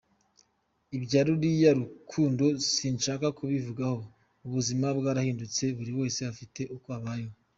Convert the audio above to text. Ibya ruriya rukundo sinshaka kubivugaho ubuzima bwarahindutse buri wese afite uko abayeho.